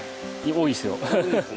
多いですね。